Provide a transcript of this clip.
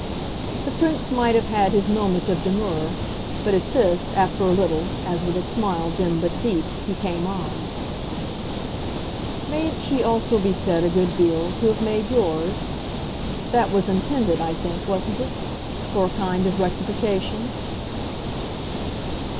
The Prince might have had his moment of demur, but at this, after a little, as with a smile dim but deep, he came on. "Mayn't she also be said, a good deal, to have made yours? That was intended, I think, wasn't it? for a kind of rectification."